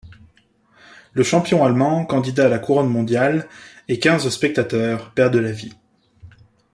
Le champion allemand, candidat à la couronne mondiale, et quinze spectateurs perdent la vie.